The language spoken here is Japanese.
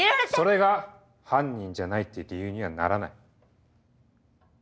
それが犯人じゃないって理由にはならない。